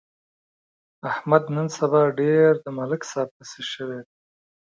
احمد نن سبا ډېر د ملک صاحب پسې شوی.